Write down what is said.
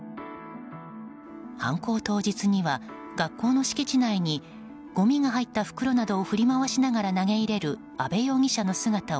犯行当日には、学校の敷地内にごみが入った袋などを振り回しながら投げ入れる阿部容疑者の姿を